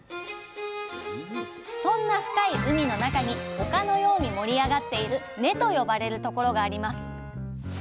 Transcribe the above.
そんな深い海の中に丘のように盛り上がっている「根」と呼ばれるところがあります。